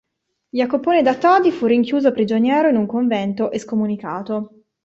Jacopone da Todi fu rinchiuso prigioniero in un convento e scomunicato.